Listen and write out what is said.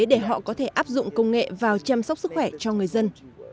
để họ có thể áp dụng công nghệ vào chăm sóc sức khỏe cho người dân